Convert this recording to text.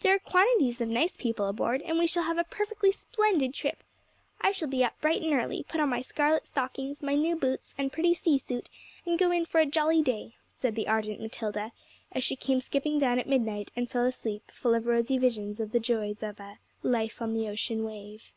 There are quantities of nice people aboard, and we shall have a perfectly splendid trip. I shall be up bright and early, put on my scarlet stockings, my new boots, and pretty sea suit, and go in for a jolly day,' said the ardent Matilda, as she came skipping down at midnight and fell asleep full of rosy visions of the joys of a Life on the ocean wave.